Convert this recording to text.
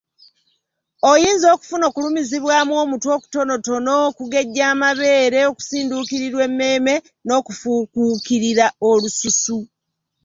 Oyinza okufuna okulumizibwamu omutwe okutonotono, okugejja amabeere, okusinduukirirwa emmeeme n’okufuukuukirira olususu.